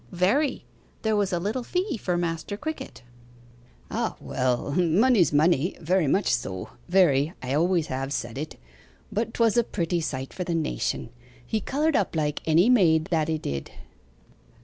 'Very. There was a little fee for Master Crickett.' 'Ah well. Money's money very much so very I always have said it. But 'twas a pretty sight for the nation. He coloured up like any maid, that 'a did.